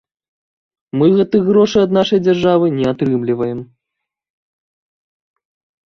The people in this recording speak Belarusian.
Мы гэтых грошай ад нашай дзяржавы не атрымліваем.